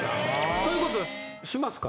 そういうことしますか。